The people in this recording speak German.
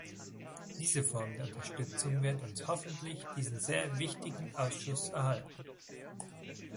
Diese Form der Unterstützung wird uns hoffentlich diesen sehr wichtigen Ausschuss erhalten.